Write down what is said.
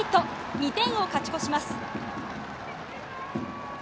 ２点を勝ち越します。